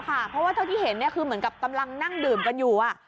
เพราะว่าเท่าที่เห็นคือเหมือนกับกำลังนั่งดื่มกันอยู่